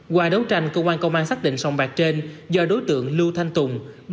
qua đấu tranh công an công an xác định sòng bạc trên do đối tượng lưu thanh tùng